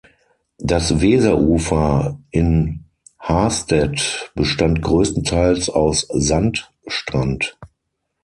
Das Weserufer in Hastedt bestand größtenteils aus Sandstrand.